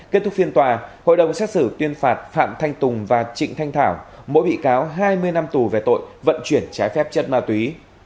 kết thúc phiên tòa hội đồng xét xử tuyên phạt phạm thanh tùng và trịnh thanh thảo mỗi bị cáo hai mươi năm tù về tội vận chuyển trái phép chất ma túy